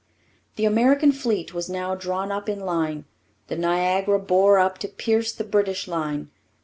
The American fleet was now drawn up in line. The Niagara bore up to pierce the British line.